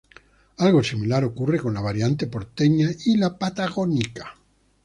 Algo similar ocurre con la variante porteña y la patagónica.